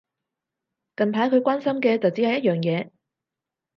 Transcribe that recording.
近排佢關心嘅就只有一樣嘢